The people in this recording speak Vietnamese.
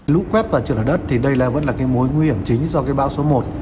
lũ quét vào trường đất thì đây là mối nguy hiểm chính do bão số một